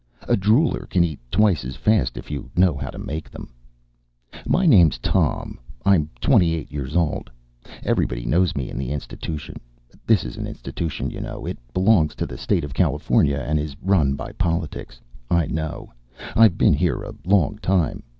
A drooler can eat twice as fast if you know how to make him. My name's Tom. I'm twenty eight years old. Everybody knows me in the institution. This is an institution, you know. It belongs to the State of California and is run by politics. I know. I've been here a long time.